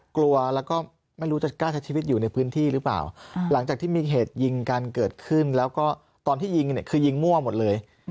กลัวแล้วก็ไม่รู้จะกล้าใช้ชีวิตอยู่ในพื้นที่หรือเปล่าหลังจากที่มีเหตุยิงกันเกิดขึ้นแล้วก็ตอนที่ยิงเนี่ยคือยิงมั่วหมดเลย